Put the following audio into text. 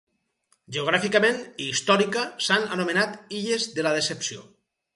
Geogràficament i històrica s'han anomenat illes de la Decepció.